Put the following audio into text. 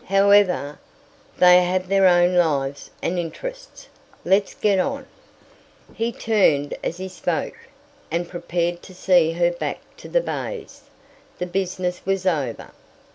"However, they have their own lives and interests. Let's get on." He turned as he spoke, and prepared to see her back to The Bays. The business was over.